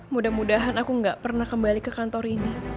mudah mudahan aku nggak pernah kembali ke kantor ini